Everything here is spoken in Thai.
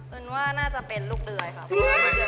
เอิร์นว่าน่าจะเป็นลูกเดื่อยว่า